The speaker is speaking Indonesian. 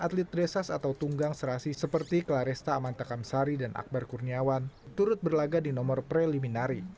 tunggang serasi seperti klaresta amantakamsari dan akbar kurniawan turut berlaga di nomor preliminari